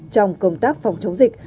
trong công tác phòng chống dịch